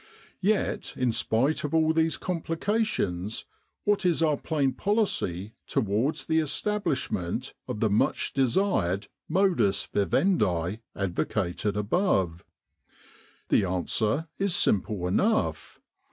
' Yet in spite of all these complications, what is our plain policy towards the establishment of the much desired modus vivendi advocated above ? The answer is simple enough.